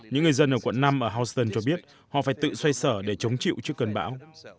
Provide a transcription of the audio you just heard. những người dân ở quận năm ở houston cho biết họ phải tự xoay sở để chống chịu trước cơn bão